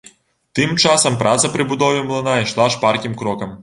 Тым часам праца пры будове млына ішла шпаркім крокам.